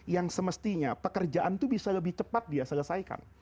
yang semestinya pekerjaan itu bisa lebih cepat diselesaikan